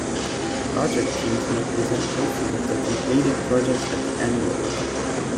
Project teams may present posters of their completed projects at the Annual.